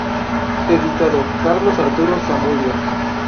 Editado: Carlos Arturo Zamudio